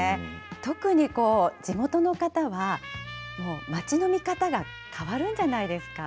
特にこう、地元の方は、街の見方が変わるんじゃないですか。